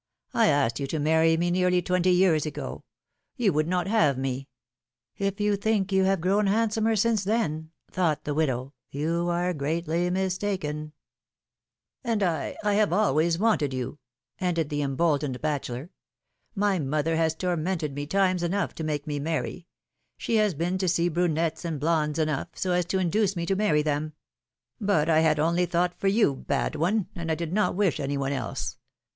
I asked you to marry me nearly twenty years ago ; you w^ould not have me —"" If you think you have grown handsomer since then," thought the widow, you are greatly mistaken !" ^^And I — I have always Avanted you !" ended the em boldened bachelor. My mother has tormented me times enougli to make me marry. She has been to see brunettes and blondes enough, so as to induce me to marry them ; but I had only thought for you, bad one, and I did not 4 58 PHILOMiiNE's MARRIAGES. wish any one else.